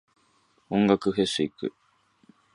音楽フェス行く。